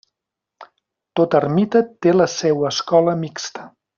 Tota ermita té la seua escola mixta.